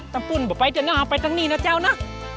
ต้องปุ่นบ่ไปจะน่าไปตั้งนี้นะเจ้านะ